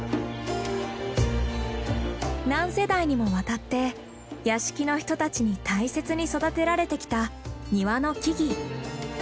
何世代にもわたって屋敷の人たちに大切に育てられてきた庭の木々。